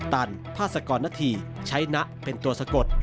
ตันพาสกรณฐีใช้นะเป็นตัวสะกด